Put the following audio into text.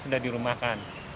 ada di rumah kan